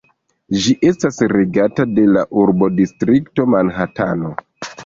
Ĝi estas regata de la urbodistrikto Manhatano.